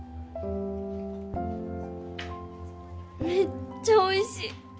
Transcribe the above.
めっちゃおいしい